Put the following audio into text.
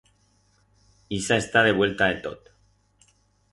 Ixa está de vuelta de tot.